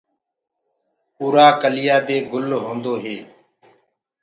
اُرآ ڪليآ دي گُل هودو هي۔